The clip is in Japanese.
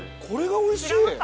これがおいしい。